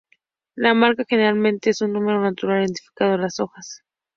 La marca, generalmente, es un número natural, identificando las hojas.